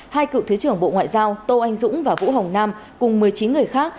hai cựu thứ trưởng bộ ngoại giao tô anh dũng và vũ hồng nam cùng một mươi chín người khác